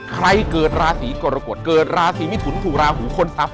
เกิดราศีกรกฎเกิดราศีมิถุนถูกราหูค้นทรัพย